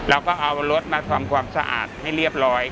เราก็เอารถมาทำความสะอาดให้เรียบร้อย